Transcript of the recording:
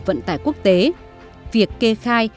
vận tải quốc tế việc kê khai